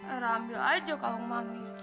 era ambil aja kalung mandi